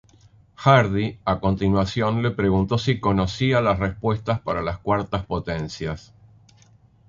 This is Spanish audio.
Hardy, a continuación, le preguntó si conocía la respuesta para las cuartas potencias.